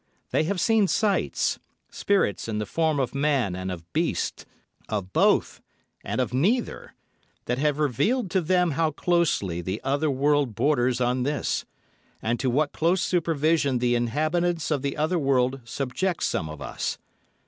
They have seen sights—spirits in the form of man and of beast, of both and of neither—that have revealed to them how closely the other world borders on this, and to what close supervision the inhabitants of the other world subject some of us.